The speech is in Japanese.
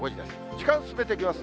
時間進めていきます。